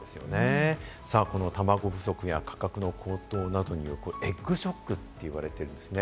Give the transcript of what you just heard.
このたまご不足や、価格の高騰などによるエッグショックって言われているんですね。